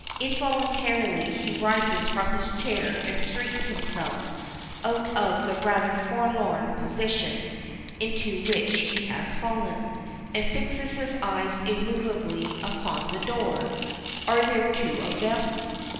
Involuntarily he rises from his chair and straightens himself, out of the rather forlorn position into which he has fallen, and fixes his eyes immovably upon the door. Are there two of them?